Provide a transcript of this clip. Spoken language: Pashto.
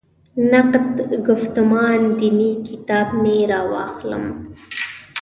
«نقد ګفتمان دیني» کتاب مې راواخلم.